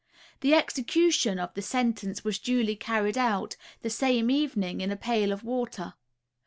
The execution of the sentence was duly carried out, the same evening in a pail of water.